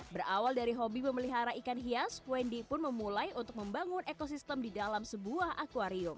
berawal dari hobi memelihara ikan hias wendy pun memulai untuk membangun ekosistem di dalam sebuah akwarium